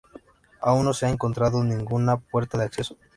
Aún no se ha encontrado ninguna puerta de acceso.